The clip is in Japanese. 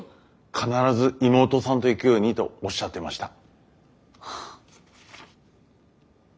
必ず妹さんと行くようにとおっしゃってました。